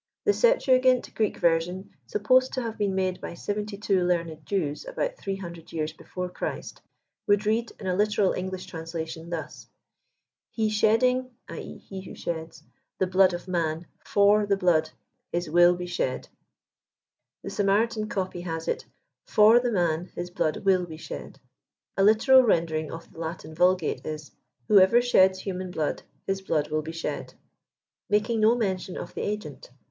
The Septuagint, Greek' version, supposed to have been made by seventy two learned Jews, about 300 years before Christ, would read, in a literal English translation, thus :'< tie shed ding (i. e^ he who sheds) the blood of maU) far the blood his mbitl be shed." The Samaritan copy has it, "/or the man his blood will be shed." A literal rendering of the Latin Vulgate is, "Whoever sheds human blood, his blood will be shed:'^ making no mention of the agent.